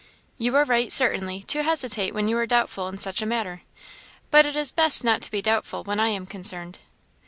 "You are right, certainly, to hesitate when you are doubtful in such a matter; but it is best not to be doubtful when I am concerned."